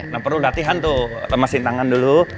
nah perlu latihan tuh lemesin tangan dulu